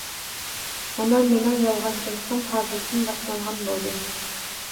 مانا مېنىڭ يالغانچىلىقىم ھازىردىن باشلانغان بولدى.